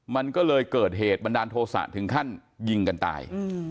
มันก็เลยเกิดเหตุบันดาลโทษะถึงขั้นยิงกันตาย